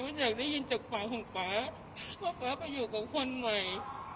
อยากได้ยินจากปากของป๊าว่าป๊าไปอยู่กับคนใหม่